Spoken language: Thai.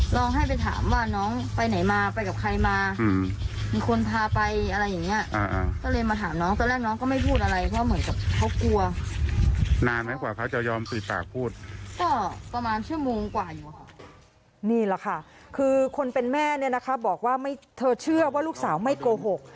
นี่แหละค่ะคือคนเป็นแม่เนี่ยนะคะบอกว่าเธอเชื่อว่าลูกสาวไม่โกหก